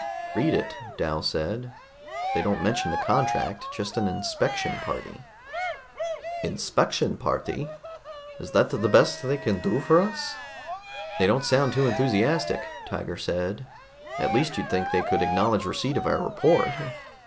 "Read it," Dal said. "They don't mention the contract, just an inspection party." "Inspection party! Is that the best they can do for us?" "They don't sound too enthusiastic," Tiger said. "At least you'd think they could acknowledge receipt of our report."